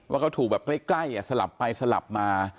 ว่าเขาถูกแบบใกล้สลับไปสลับมา